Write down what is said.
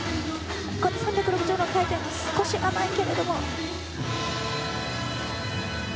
３６０度回転少し甘いけれども。